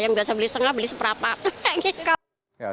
yang biasa beli setengah beli seprapat